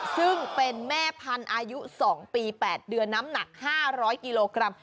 ซึ่งเป็นแม่พันธุ์อายุ๒ปี๘เดือนน้ำหนัก๕๐๐กิโลกรัม